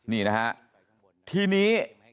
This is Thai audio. นี่นะฮะทีนี้